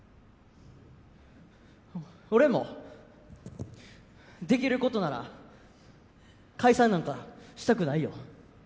俺もできることなら解散なんかしたくないよ